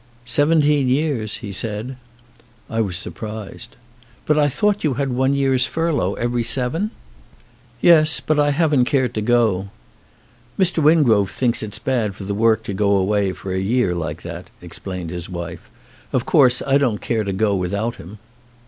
"Seventeen years," he said. I was surprised. "But I thought you had one year's furlough every seven?" 49 ON A CHINESE SCREEN "Yes, but I haven't cared to go." "Mr. Wingrove thinks it's bad for the work to go away for a year like that," explained his wife. "Of course I don't care to go without him."